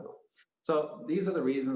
dan itu adalah salah satu alasan